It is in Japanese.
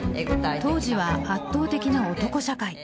当時は圧倒的な男社会。